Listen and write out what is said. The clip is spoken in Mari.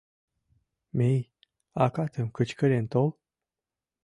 Мий, акатым кычкырен тол.